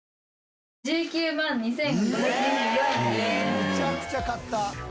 むちゃくちゃ買った！